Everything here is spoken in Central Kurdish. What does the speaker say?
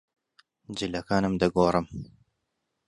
جلەکانم دەگۆڕم.